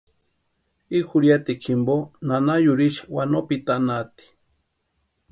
I jurhiatikwa jimpo nana yurhixe wanopitanhaati.